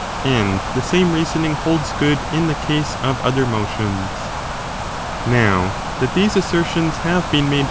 And the same reasoning holds good in the case of other motions. Now, that these assertions have been made